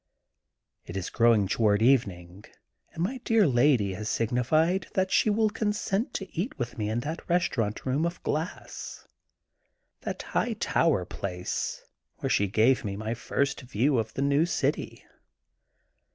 It is growing toward evening and my dear lady has signified that she will consent to eat with me in that restaurant room of glass, that high tower place, where she gave me my first view of the new city.